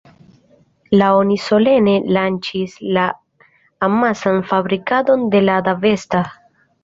La oni solene lanĉis la amasan fabrikadon de Lada Vesta.